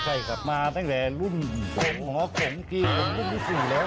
ใช่ครับมาตั้งแต่รุ่นของของกรีมรุ่นที่สี่แล้ว